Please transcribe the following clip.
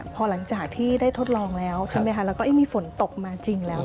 พอหลังจากที่ได้ทดลองแล้วใช่ไหมคะแล้วก็มีฝนตกมาจริงแล้ว